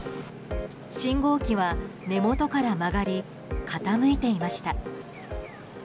信号機は根元から曲がり傾いていました。